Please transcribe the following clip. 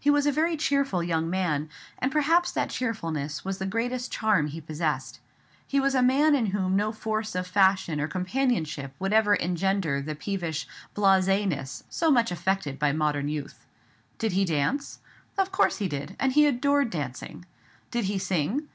He was a very cheerful young man, and perhaps that cheerfulness was the greatest charm he possessed. He was a man in whom no force of fashion or companionship would ever engender the peevish blasé ness so much affected by modern youth. Did he dance? Of course he did, and he adored dancing. Did he sing?